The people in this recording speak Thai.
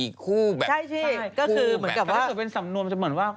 ใช่ก็คือเหมือนกับว่า